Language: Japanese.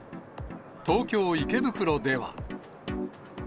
東京・池袋では。